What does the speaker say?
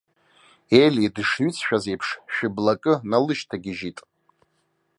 Ели дышҩыҵшәаз еиԥш шәы-блакы налышьҭагьежьит.